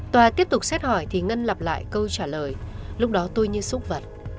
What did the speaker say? tòa tiếp tục xét hỏi thì ngân lặp lại câu trả lời lúc đó tôi như xúc vật